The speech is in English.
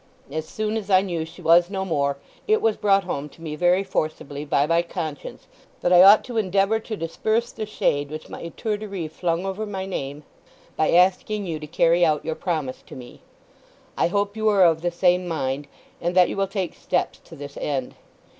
As soon as I knew she was no more, it was brought home to me very forcibly by my conscience that I ought to endeavour to disperse the shade which my étourderie flung over my name, by asking you to carry out your promise to me. I hope you are of the same mind, and that you will take steps to this end.